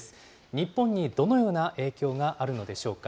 日本にどのような影響があるのでしょうか。